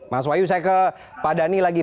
mas wahyu saya ke pak dhani lagi